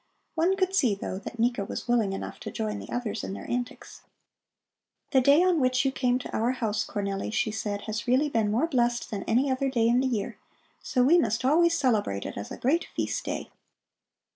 One could see, though, that Nika was willing enough to join the others in their antics. "The day on which you came to our house, Cornelli," she said, "has really been more blessed than any other day in the year. So we must always celebrate it as a great feast day."